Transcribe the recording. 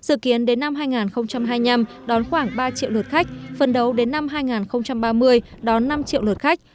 dự kiến đến năm hai nghìn hai mươi năm đón khoảng ba triệu lượt khách phân đấu đến năm hai nghìn ba mươi đón năm triệu lượt khách